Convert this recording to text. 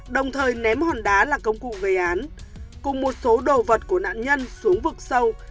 đồng thời ném hòn đá là công cụ gây án cùng một số đồ vật của nạn nhân xuống vực sâu